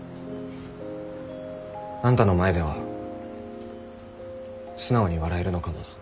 あんたの前では素直に笑えるのかもな。